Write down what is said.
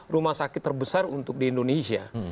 rumah sakit terbesar untuk di indonesia